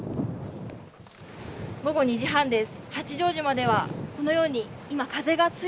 午後２時半です。